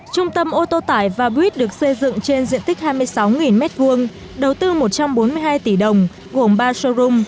trung tâm ô tô tải vabit được xây dựng trên diện tích hai mươi sáu m hai đầu tư một trăm bốn mươi hai tỷ đồng gồm ba showroom